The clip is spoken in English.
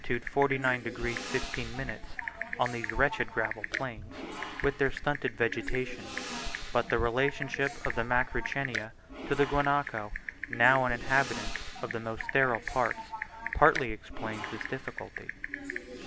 49 degs. 15', on these wretched gravel plains, with their stunted vegetation; but the relationship of the Macrauchenia to the Guanaco, now an inhabitant of the most sterile parts, partly explains this difficulty.